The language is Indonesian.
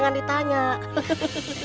kalian hadapi aku